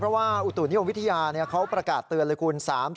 เพราะว่าอุตุนิยมวิทยาเขาประกาศเตือนเลยคุณ